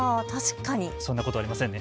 そんなことありませんね。